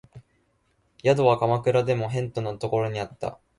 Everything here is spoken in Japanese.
宿は鎌倉でも辺鄙なところにあった